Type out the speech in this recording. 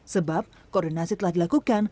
sebab koordinasi telah dilakukan